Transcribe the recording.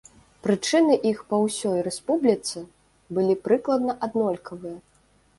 Прычыны іх па ўсёй рэспубліцы былі прыкладна аднолькавыя.